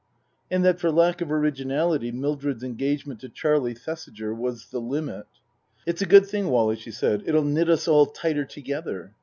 and that for lack of originality Mildred's engagement to Charlie Thesiger was " the limit." " It's a good thing, Wally," she said. " It'll knit us all tighter together.